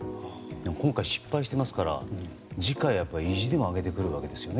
今回、失敗していますから次回は意地でも上げてくるわけですよね